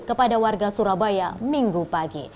kepada warga surabaya minggu pagi